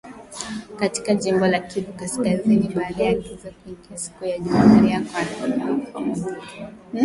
katika jimbo la Kivu kaskazini baada ya kiza kuingia siku ya Jumapili na kuharibu nyumba pamoja